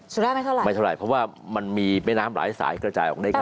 สุราชไม่เท่าไหไม่เท่าไหร่เพราะว่ามันมีแม่น้ำหลายสายกระจายออกได้ง่าย